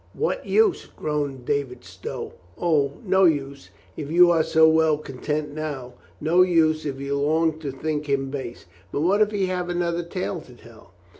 "What use?" groaned David Stow. "O, no use, if you are so well content now. No use if you long to think him base. But what if he have another tale to tell?